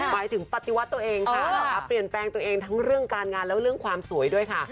หมายถึงปฏิวัติตัวเองค่ะเปลี่ยนแปลงตัวเองทั้งเรื่องการงานแล้วเรื่องความสวยด้วยค่ะ